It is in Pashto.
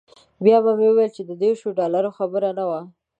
بیا به مې ویل د دیرشو ډالرو خبره نه وه.